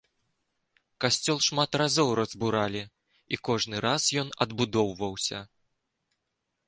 Касцёл шмат разоў разбуралі, і кожны раз ён адбудоўваўся.